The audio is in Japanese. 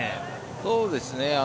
そうですね。